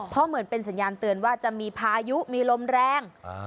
เพราะเหมือนเป็นสัญญาณเตือนว่าจะมีพายุมีลมแรง